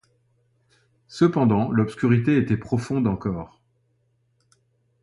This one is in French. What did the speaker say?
Cependant l’obscurité était profonde encore.